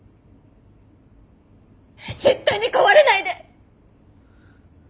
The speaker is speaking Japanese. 絶対に壊れないで！